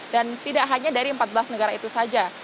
dan tidak hanya dari empat belas negara itu saja